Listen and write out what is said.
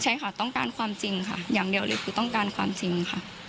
ใช่ค่ะต้องการความจริงค่ะอย่างเดียวเลยคือต้องการความจริงค่ะ